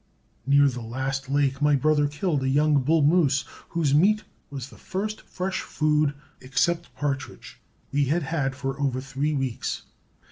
Near the last lake my brother killed a young bull moose, whose meat was the first fresh food, except partridge, we had had for over three weeks.